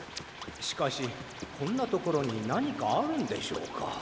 しかしこんなところになにかあるんでしょうか？